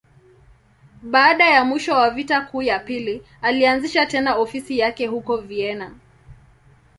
Baada ya mwisho wa Vita Kuu ya Pili, alianzisha tena ofisi yake huko Vienna.